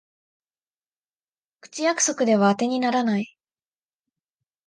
口約束ではあてにならない